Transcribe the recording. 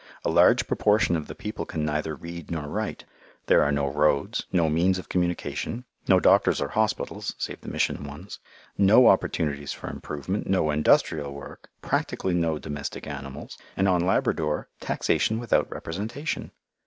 A large proportion of the people can neither read nor write. There are no roads, no means of communication, no doctors or hospitals (save the Mission ones), no opportunities for improvement, no industrial work, practically no domestic animals, and on Labrador, taxation without representation!